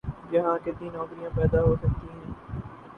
یہاں کتنی نوکریاں پیدا ہو سکتی ہیں؟